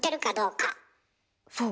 そう。